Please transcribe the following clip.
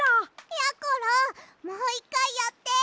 やころもう１かいやって！